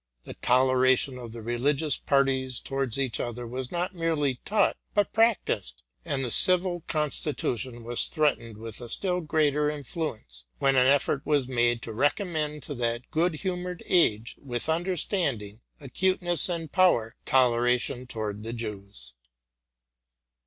'The toleration of the religious parties towards each other was not merely taught, but practised; and the civil constitution was threatened with a still ereater influence, when the effort was made to recommend to that good humored age, with understanding, acuteness, and power, toleration towards the Jews.